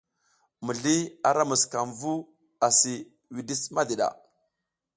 Mizliy ara musukam vu asi widis madiɗa.